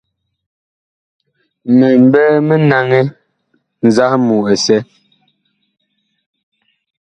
Mi mɓɛ mi naŋɛ nzahmu ɛsɛ.